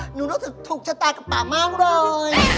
หนูรู้สึกถูกชะตากับหมามากเลย